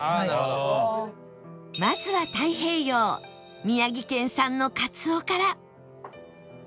まずは太平洋宮城県産のかつおから